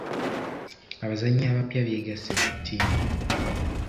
abazannyi abapya beegasse ku ttiimu.